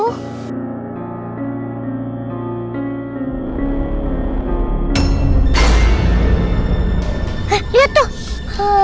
eh liat tuh